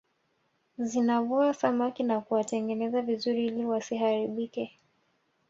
Zinavua samaki na kuwatengeneza vizuri ili wasiharibike